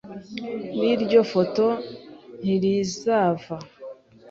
N'iryo fato ntirizava